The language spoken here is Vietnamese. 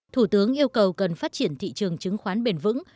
thủ tướng yêu cầu cần phát triển thị trường chứng khoán bền vững